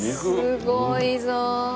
すごいぞ。